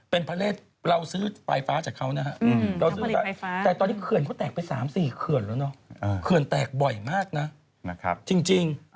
เป็นประเทศเรเราซื้อไฟฟ้าจากเขานะฮะแล้วตอนนี้เขื่อนเขาแตกไป๓๔เขื่อนถือบ่อยมากนะจริง